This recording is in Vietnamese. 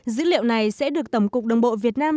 dữ liệu này sẽ được tổng cục đồng bộ việt nam